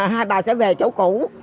hai bà sẽ về chỗ cũ